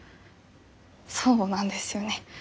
そうなんですよね。